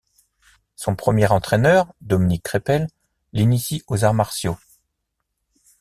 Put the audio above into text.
Son premier entraîneur Dominique Crépel l'initie aux arts martiaux.